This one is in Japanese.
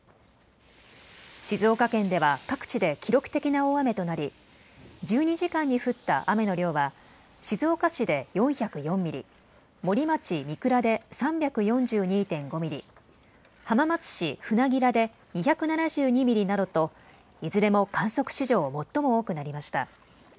静岡県では各地で記録的な大雨となり１２時間に降った雨の量は静岡市で４０４ミリ、森町三倉で３４２．５ミリ、浜松市船明で２７２ミリなどといずれも観測史上最も多くなりました。